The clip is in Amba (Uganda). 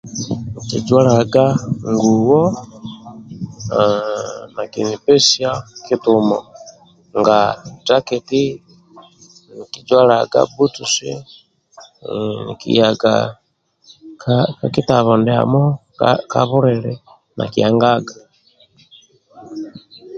Nkijwalaga nguwo aaah nakinipesia kitumo nga jaketi nkijwalaga bhutusi hhm nkiyaga ka kakitabo ndiamo ka ka bulili nkiangaga.